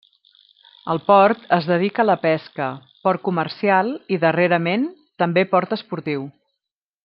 El port es dedica a la pesca, port comercial, i darrerament també port esportiu.